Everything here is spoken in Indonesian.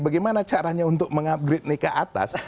bagaimana caranya untuk mengupgrade ke atas